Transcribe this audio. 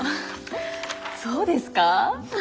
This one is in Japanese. そうですかあ？